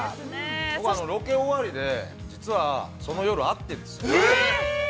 ◆ロケ終わりで実は、その夜会ってるんです。